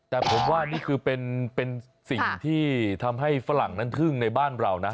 แต่ผมว่านี่คือเป็นสิ่งที่ทำให้ฝรั่งนั้นทึ่งในบ้านเรานะ